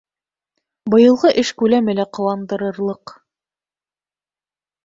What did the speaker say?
Быйылғы эш күләме лә ҡыуандырырлыҡ.